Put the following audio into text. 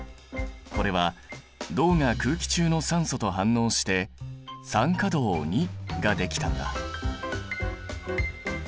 これは銅が空気中の酸素と反応して酸化銅ができたんだ。